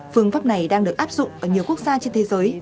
phương pháp này đang được áp dụng ở nhiều quốc gia trên thế giới